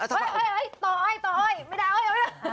ต่ออ้อยต่ออ้อยไม่ได้